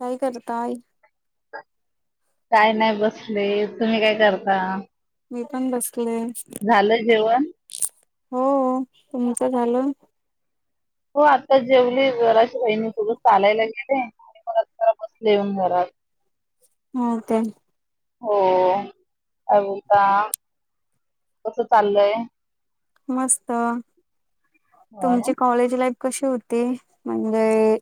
काय करताय. काय नाय बसले तुम्ही काय करता? मी पण बसले. झालं जेवण? हो तुमचं झालं? हो आता जेवली जराची बहिणी सोबत चालायला गेले. आणि परत जरा बसले येऊन घरात. हो काय. हो काय बोलता कस चाललंय? मस्त हो ना तुमचे कॉलेज लाईफ कशी होती म्हणजे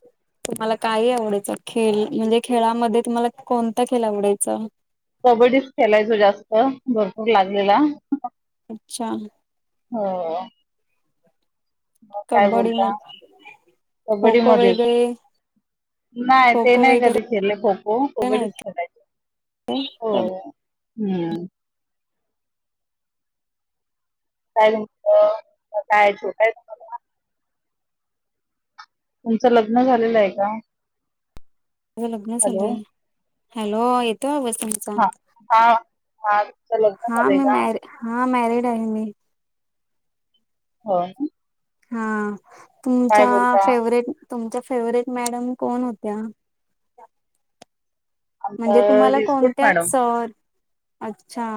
तुम्हाला काही आवडायचं खेल म्हणजे खेळामध्ये तुम्हाला कोणता खेल आवडायचा? कबड्डीच खेलाचो जास्त भरपूर लागलेला. अच्छा हो. म काय कबड्डी बोलता म खो कबड्डी खो मध्येच वगैरे नाय खो ते खो नाय कधी वगैरे खेलेले खो खो कब्बडीच खेलायचे. काय हम्म काय तुमच्या मं काय छोटा हाय का तुमचं लग्न झालेलं आहे का? माझं लग्न झालय. हॅलो हॅलो येतो आवाज तुम हा हा हा तुमच लग्न हा झालंय मी का? मॅर हा मॅरिड आहे मी. होय न हा तुमचा बोलता फेवरेट तुमच्या फेवरेट मॅडम कोण होत्या? म्हणजे आमचं तुम्हाला रिसबूट कोणत्या मॅडम सर अच्छा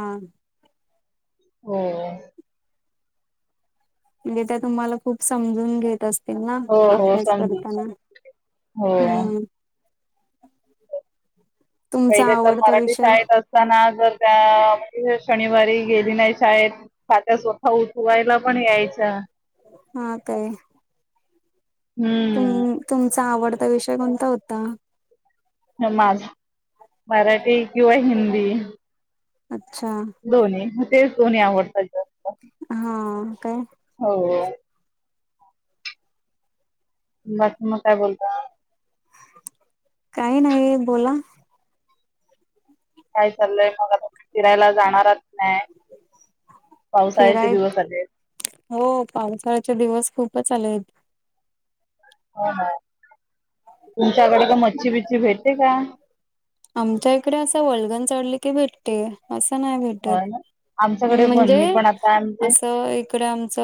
हो. म्हणजे त्या तुम्हाला खूप समजून घेत अस तील ना हो हो अभ्यास समजू करताना हो हूं [unintelligible] पहिले तर मराठी शाळेत असताना. जर त्या म्हणजे शनिवारी गेली नाय शाळेत का त्या स्वतः उठवायला पण यायच्या. हा काय हम्म तुम तुमचा आवडता विषय कोणता होता? हं माझ मराठी किंवा हिंदी अच्छा. दोन्ही मं तेच दोन्ही आवडतात जास्त हा काय हो. बाकी मग काय बोलता?. काही नाही बोला काय चाललंय मला आता फिरायला जाणार आहात की नाय. पावसाळ्याचे फिराय दिवस आलेत. हो पावसाळ्याचे दिवस खूपच आले आहेत. ह तुमच्याकडे का मच्छी बिच्छ भेटते का, आमच्या इकडे असं वल्गन चढली की भेटते असं नाय भेट हो टत ना आमच्याकडे पण म्हणजे मी पण आता म्हणजे असं इकडे आमच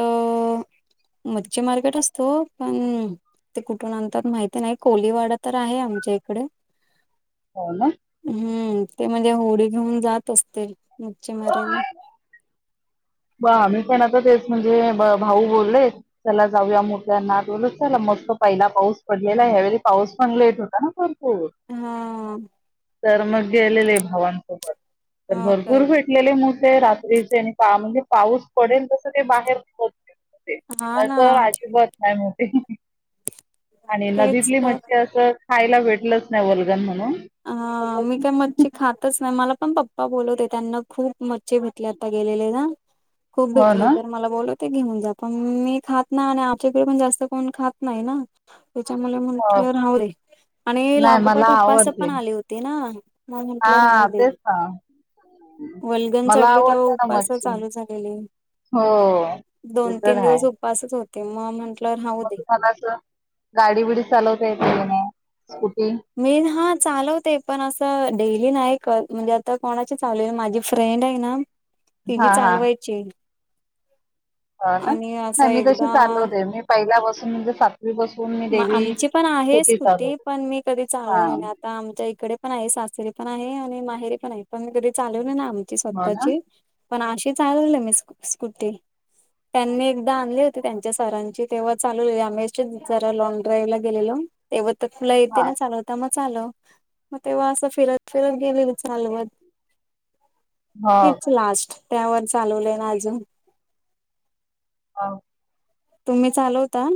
मच्छ मार्केट असतो पण ते कुठून अंतात माहिती नाही कोलीवाडा तर आहे आमच्या इकडे हो ना हम्म ते म्हणजे होडी घेऊन जात असते मच्छी मारायला ब मीही पण आता तेच म्हणजे भाऊ बोलले. चला जाऊया मोठ्यांना बोल चला मस्त पहिला पाऊस पडलेला ह्यावेळी पाऊस पण लेट होता ना. हो हा तर मग गेलेले भावांसोबत तर हो काय भरपूर भेट िकलेले मसे रात्रीचे आणि म्हणजे पाऊस पडेल तस ते बाहेर हा ना प अजिबात नाही मोठे आणि तेच नदीतली तर मच्छी असते. खायला भेटलच नाही वलगन म्हणून ह मी काय मच्छ. खातच नाही मला पण पप्पा बोलवते त्यांना खूप मज्छचे भेतले आता गेलेले ना. खूप हो ना भेटली तर मला बोलत. ते घेऊन जा पण मी खात ना आणि आमच्याकडे पण जास्त कोण खात नाही. ना. त्याच्यामुळे हो म्हंटलं राह रे आणि नाही मला लागोपाठ उपास आवडते. पण आले होते. ना. म म्हटलं हा राहू दे. तेच ना वल्गन मला चढली तेव्हा आवडते ना उपसा मच्छी चालू झालेली. हो ते पण आहे. पासच होते मग म्हंटलंवर राऊ दे. मला अस गाडी बुडी चालवता यने स्कुटी मी हा चालवते पण असं डेली नाही कर म्हणजे आता कोणाची चालले माझी फ्रेंड आहे ना ह ति जी चालवायची. ह ना आणि असं नाही मी तशी एकदा चालवते मी पहिल्यापासून म्हणजे सातवीपसून म आमची पण आहेच कुती पण मी कधी हा चालवले नाही आता आमच्या इकडे पण आहे सासरी पण आहे आणि माहेरी पण आहे पण कधी चालव ना आम हो ना स्वतःची पण अशी चाल मी स्कूटी त्यांनी एकदा आणली होती त्यांच्या सरांची तेव्हा चालू आमेश जरा लॉग ड्राईव ला गेलेलो तेव तर फुला येते हा ना चाल. ता मग चाल मग तेव्हा असं फिरत फिरत गेलेल चालवत. हो का तेच लास्ट त्यावर चालवले ना अजून हा. तुम्ही चालवता?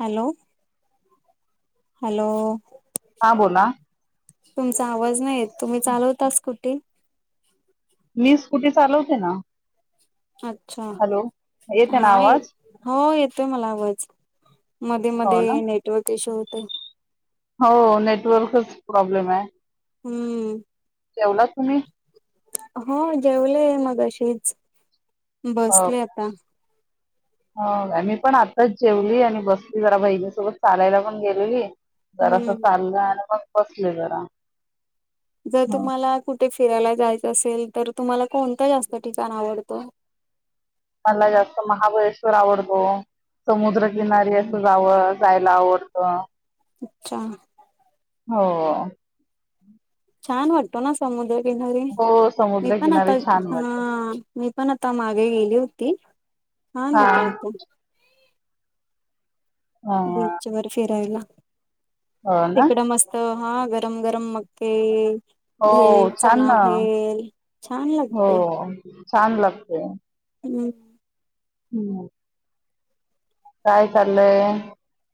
हॅलो. हॅलो. हां बोला. तुमचा आवाज नाही तुम्ही चालवता स्कुटी मी स् कुठे चालवते ना. अच्छा हॅलो येते ना हा य आवाज हो येतोय मला आवाज मध्ये हो ना मध्ये नेटवर्क इशू होते. हो नेटवर्कच प्रॉब्लेम आहे हम्म तेव्हा तुम्ही हो जेवलेय मग अशीच हो बसले आता हो मी पण आताच जेवली आणि बसली जरा बहिणीसोबत चालायला पण गेलेली जरास हम्म चाललं आणि मग बसले जरा जर हं तुम्हाला कुठे फिरायला जायचं असेल तर तुम्हाला कोणतं जास्त ठिकाण आवडतं मला जास्त महाबळेश्वर आवडतो समुद्रकिनारी असं जावं जायला आवडत. अच्छा हो छान वाटतो ना समुद्रकिनारी हो मी पण आता समुद्रकिनारी छान हा वाटतं मी पण आता मागे गेली होती छान हा होत होता हा बीच वर फिरायला हो ना तिकडं मस्त तर हा गरम गरम मकई हो भेल छान चणा ना भेल छान लागते हो छान लागतेय हम्म हम्म काय चाललंय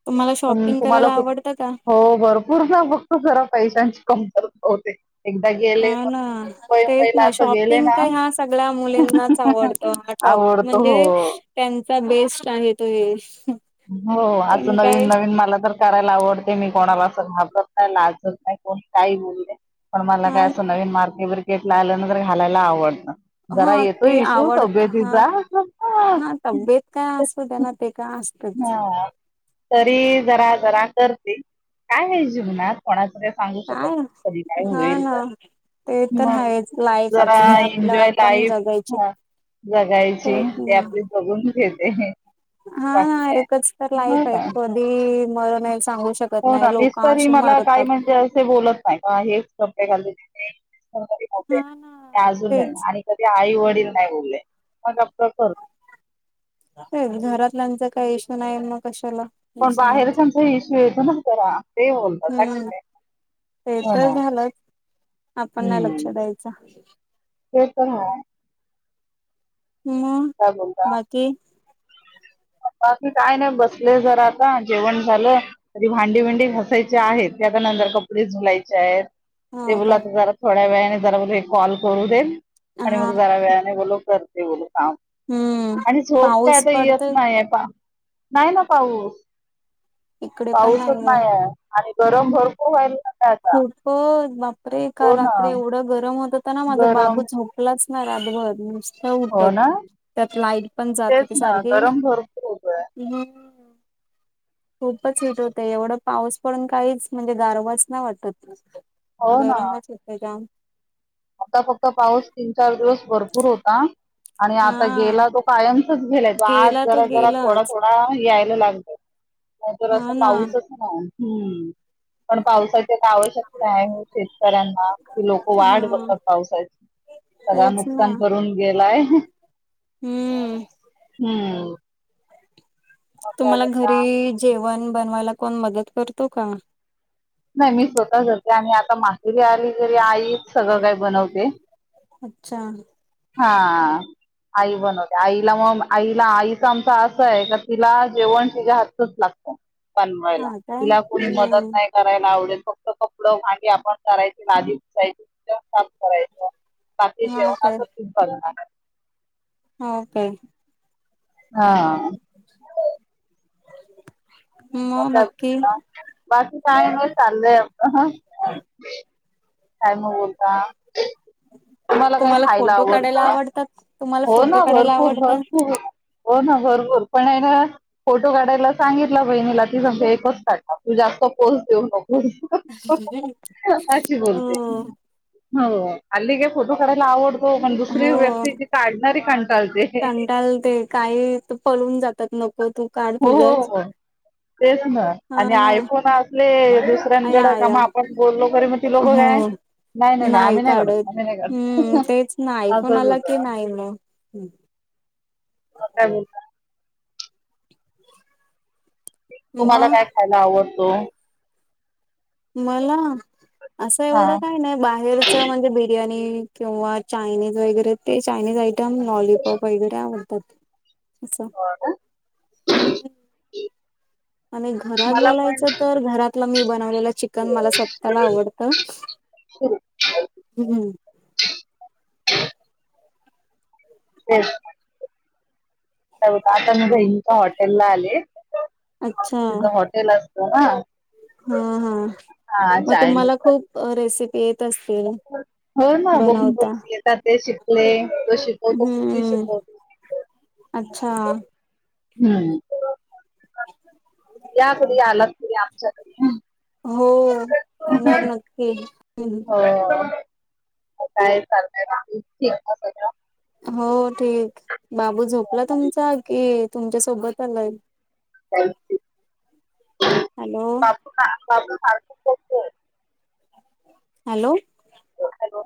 तुम्हाला शॉपिंग करायला तुम्हालाठ आवडतं का? हो भरपूर ना फक्त जरा पैशांची कमतर होते एकदा गेले हा ना मुंबई तेच मुंबईला ना असं गेले शॉपिंग ना काही हा सगळ्या मुलींनाच आवडतो ॉप आवडतो हो म्हणजे त्यांचा बेस्ट आहे तो हे हो असं पण नवीन काय नवीन मला तर, करायला आवडते मी कोणाला असं घाबरत नाही लाजत नाही कोण काही बोलते. पण मला हा काय ना. असं नवीन मार्केवरर केटला आलं नंतर घालायला आवडतं. जरा हा येतो ते इशू आवड हा तब्यतीचा. हा तब्येत काय असतो त्याना ते का अस हा तरी जरा जरा करतील काय आहे जीवनात कोणाकडे सांगू शकत काय कधी टाम हा होईल तर ना. ते तर मग आहेच लाईफ जरा आपली आपल्या एन्जॉय आपण ताईफ जगायची ह जगायची तेच ते ना आपली बघून घेते हा ना बाकी काय एकच तर हो लाईफ आहे का कधी मर नाही सांगू शकत नाही लोक अशी मारतात जसे बोलत हेचप घा हा ना. अजून तेच आणि त आई वडील नाही बोलले मग आप करत ते घरातल्यांचा काय इशू नाही मग कशाला पण बाहेर दुसऱ्यांच त्यांचा इश्यू येतो ना करा ते हम्म बोलतकीठी आहे ते तर झालं आपण नाही लक्ष हम्म द्यायचं ते तरण ह हम् का बोलता क बाकी काय नाही बसले जर आता जेवण झालं तरी भांडी भंडी घासायचे आहेत क आता नंतर कपडे धुलायचे आहेत ते हो काय बलाता जरा थोड्या वेळाने जरा ब कॉल करू देईल आणि मग जरा हा वेळाने बोल कर ते बोल का हम्म आणि झोप काय पाऊस आता येत पडतोय नाही नाही ना पाऊस इकडे पण पाऊसच नाहीये. नाहीय आणि गरम भरपूर व्हायला आता खूप बापरे का हो ना रात्री एवढं गरम होतं तर ना माझं गरम बाबूच होप लाच नाही अभ हो उठत ना त्यात लाईट पण जात तेच होते ना सारखे गरम भरपूर होतोय हम् खूपच हीट होतं एवढं पाऊस पडून काहीच म्हणजे दारवाज ना वाटत हो गरमच होतं जाम फक्ता फक्त पाऊस तीन चार दिवस भरपूर होता आणि आता हा गेला तो कायम ेय आज गेला तो जरा जरा थोडा गेलाच थोड मला यायला लागतंतर असं हा ना पाऊसच नाम् पण पावसाची का आवश्यकता आहे शेतकऱ्यांना कि लोक हा वाढ बघत पावसा सगळा तेच ना नुकसान करून गेलाय हम्म हम्म मग काय तुम्हाला बघा घरी जेवण बनवायला कोण मदत करतो का नाही मी स्वतः होतेे आणि आता माातीरी आली वगैरे आई सगळं का बनवते अच्छा हा आई बनवते आईला मग आईला आईच आमच असं आहे का तिला जेवण तिच्या हातच लागतं बनवायला हा काय तिला कोणी मदत हम्म नाही करायला आवडेल फक्त कपड भांडी आपण करायची लादीी उचायची काम करायचं हा पाकीचेना त काय खठीप भ लाे ओके हा ह बाकी बाकी काय नाही चाललंय कायम होता तुम्हाला काय तुम्हाला खायला फोटो आवडत [inaudible] हो ना काढायला भरपूर आवडतात भरपूर हो ना भरपूर पण आहे ना फोटो काढायला सांगितला बहिणीला ती समज एकच काढला तू जास्त पोस् देऊ नको अशी हो बोलते हो अली काे फोटो काढायला आवडतो पण दुसरी व्यक्तीची काढणारी कंटाळते कंडाल ते काही पलून जातात नको तू काढ हो हो तुझंच हो तेच ना हा आणि ना आयफोन असले या दुसऱ्यांकडं का म या आपण बोललो खरी मग त लोकं हो काय नाही नाही नाही आम्ही नाही काढत आम्ही नाही हम्म कात तेच ना आ आयफोन आला होत की नाही मग बोलता तुम्हाला मग काय खायला आवडतो मला असं हा एवढं काय नाही बाहेरच म्हणजे बिर्याणी किंवा चायनीज वगैरे ते चायनीज आयटम लॉलीपॉप वगैरे आवडतात असं हो आणि घरात मला पण बोलायचं तर घरातलं मी बनवलेलं चिकन मला स्वतःला आवडत तर हम्म हम्म ते आताझ हिंका हॉटेल ला आले अच्छा तिच हॉटेल असत ना हा हा हा मग चायनीज तुम्हाला साठी खूप रेसिपी येत असतील हो ना बघून बनवता बघेत ते शिकले तो श हम्म अच्छा हम्म याक आला तुरी आमच्याकडे हो येणार नक्की हम्म. हो काय चालतय सग हो ठीक बाबू झोपला तुमचा कि तुमच्या सोबत आलाय हॅलो बापू का बापू का हॅलो हॅलो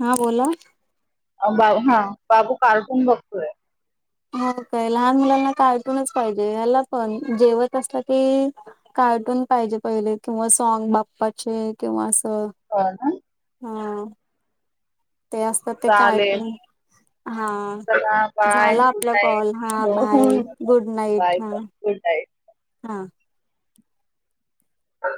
हा बोला बा हा बापू कार्टून बघतोय हो काय लहान मुलांना काळटूनच पाहिजे ह्याला पण जेवत असलं की कार्टून पाहिजे पहिले किंवा सॉग बाप्पाचे किंवा असं हो ना हा ते असतात ते चालेल काळजी हा. चला बाय झाला गुड आपला नाईट कॉल हा बाय गुड नाईट हा. उट आहे. हा. अ.